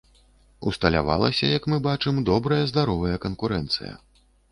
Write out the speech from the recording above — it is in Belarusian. Усталявалася, як мы бачым, добрая здаровая канкурэнцыя.